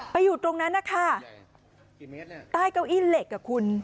อยู่ตรงนั้นนะคะใต้เก้าอี้เหล็กอ่ะคุณ